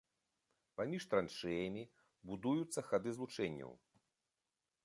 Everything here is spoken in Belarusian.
Паміж траншэямі будуюцца хады злучэнняў.